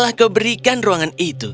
dia ikut karena kebimbangan ruangan itu